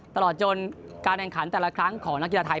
ตลอดจนการแข่งขันแต่ละครั้งของนักกีฬาไทย